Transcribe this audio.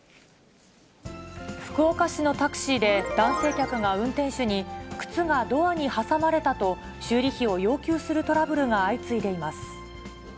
福岡市のタクシーで、男性客が運転手に、靴がドアに挟まれたと、修理費を要求するトラブルが相次いでいます。